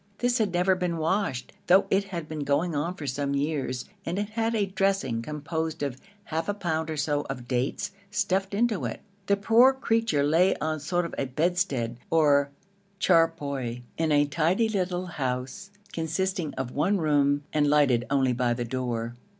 This had never been washed, though it had been going on for some years, and it had a dressing composed of half a pound or so of dates stuffed into it. The poor creature lay on a sort of bedstead or charpai in a tidy little house consisting of one room and lighted only by the door.